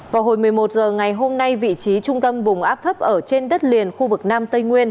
vào hồi một mươi một h ngày hôm nay vị trí trung tâm vùng áp thấp ở trên đất liền khu vực nam tây nguyên